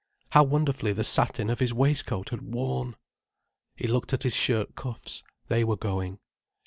How wonderfully the satin of his waistcoat had worn! He looked at his shirt cuffs. They were going.